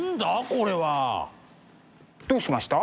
これは。どうしました？